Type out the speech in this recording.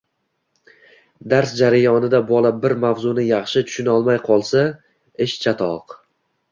Dars jarayonida bola bir mavzuni yaxshi tushunolmay qolsa – ish chatoq